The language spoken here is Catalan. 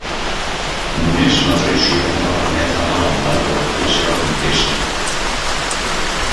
Només una traïció va permetre a l'emperador la seva conquesta.